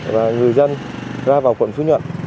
và người dân ra vào quận phú nhuận